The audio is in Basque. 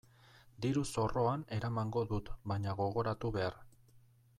Diru-zorroan eramango dut baina gogoratu behar.